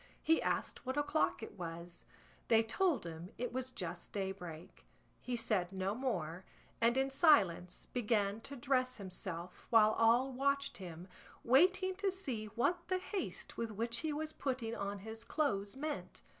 He asked what o'clock it was; they told him it was just daybreak. He said no more, and in silence began to dress himself, while all watched him, waiting to see what the haste with which he was putting on his clothes meant.